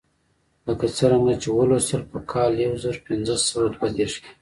لکه څرنګه چې ولوستل په کال یو زر پنځه سوه دوه دېرش کې.